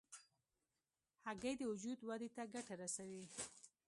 هګۍ د وجود ودې ته ګټه رسوي.